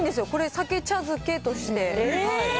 これ、さけ茶漬けとして。